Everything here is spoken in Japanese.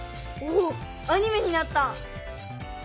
おっアニメになった。